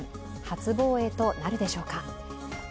初防衛となるでしょうか。